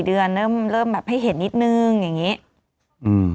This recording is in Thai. ๔เดือนเริ่มแบบให้เห็นนิดหนึ่งอย่างนี้